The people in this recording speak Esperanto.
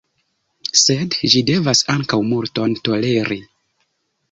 Sed ĝi devas ankaŭ multon toleri.